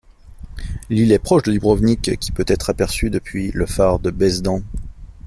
L'île est proche de Dubrovnik, qui peut être aperçue depuis le phare de Bezdan.